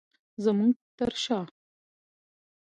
زمونږ تر شاه